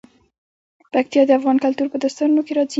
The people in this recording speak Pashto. پکتیا د افغان کلتور په داستانونو کې راځي.